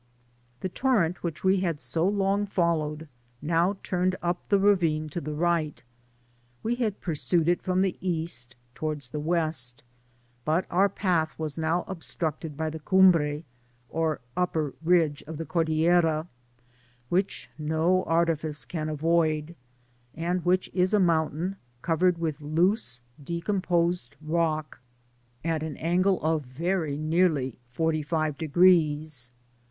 The torrent which we had so long followed, now turned up the ravine to the right* We had pur sued it from the east towards the west, but our path was now obstructed by the Cumbre, or upper ridge of the Cordillera, which no artifice can avoid, and which is a mountain covered with loose, de« composed rock, at an angle of very nearly forty five d^ees.